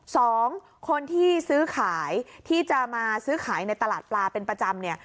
สองคนที่ซื้อขายที่จะมาซื้อขายในตลาดปลาเป็นประจำเนี่ย